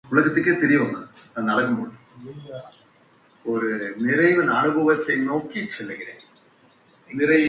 Offstage, Adele is known for her down-to-earth personality and relatability.